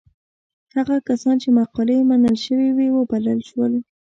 هغه کسان چې مقالې یې منل شوې وې وبلل شول.